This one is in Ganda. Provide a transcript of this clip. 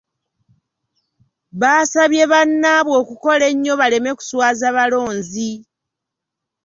Baasabye bannaabwe okukola ennyo baleme kuswaza balonzi.